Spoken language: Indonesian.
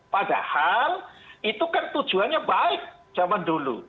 padahal itu kan tujuannya baik zaman dulu